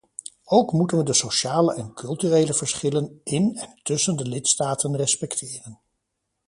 Ook moeten we de sociale en culturele verschillen in en tussen de lidstaten respecteren.